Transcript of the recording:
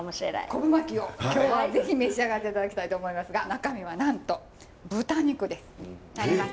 昆布巻きを今日は是非召し上がって頂きたいと思いますが中身はなんと豚肉です。